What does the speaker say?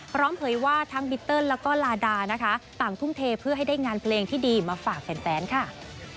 เผยว่าทั้งบิเติ้ลแล้วก็ลาดานะคะต่างทุ่มเทเพื่อให้ได้งานเพลงที่ดีมาฝากแฟนค่ะ